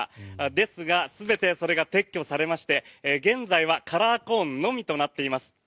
ですが全てそれが撤去されまして現在はカラーコーンのみとなっています。